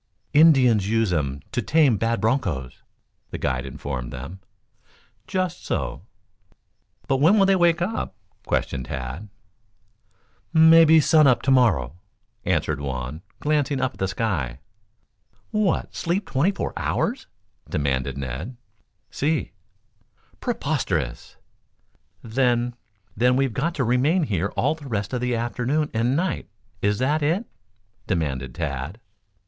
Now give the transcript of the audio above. "Indians use 'em to tame bad bronchos," the guide informed them. "Just so." "But, when will they wake up?" questioned Tad. "Mebby sun up to morrow," answered Juan, glancing up at the sky. "What, sleep twenty four hours?" demanded Ned. "Si." "Preposterous." "Then, then, we've got to remain here all the rest of the afternoon and night is that it?" demanded Tad.